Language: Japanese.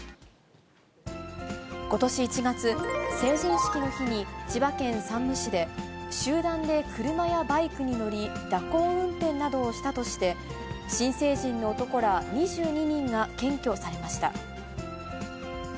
ことし１月、成人式の日に千葉県山武市で、集団で車やバイクに乗り、蛇行運転などをしたとして、新成人の男ら２２人が検挙されました。